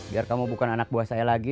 biar kamu bukan anak buah saya lagi